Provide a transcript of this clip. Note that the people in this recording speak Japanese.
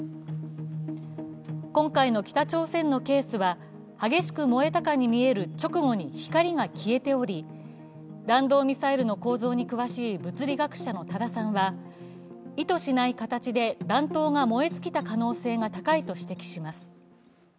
今回の北朝鮮のケースは、激しく燃えたかに見える直後に光が消えており、弾道ミサイルの構造に詳しい物理学者の多田さんは意図しない形で弾頭が燃え尽きた可能性が高いと指摘します。